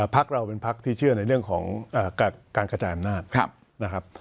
พักเราเป็นพักที่เชื่อในเรื่องของการกระจายอำนาจนะครับ